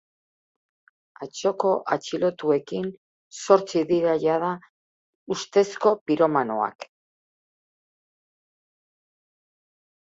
Atzoko atxilotuekin zortzi dira jada ustezko piromanoak.